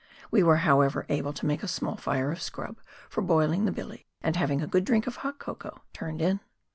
We were, however, able to make a small fire of scrub for boil ing the billy, and having had a good drink of hot cocoa, turned in.